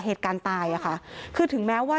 อยู่ดีมาตายแบบเปลือยคาห้องน้ำได้ยังไง